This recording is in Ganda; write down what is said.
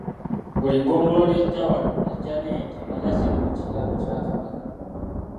Buli ggombolola ejja wano ejja n'ente era ziri mu kiraalo kya Kabaka.